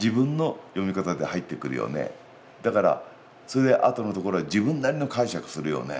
だからそれであとのところは自分なりの解釈するよね。